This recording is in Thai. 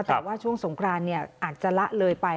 แต่ว่าช่วงสงครานอาจจะละเลยไป